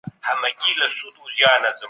مرګ د فاني نړۍ څخه د همېشهلو لاره ده.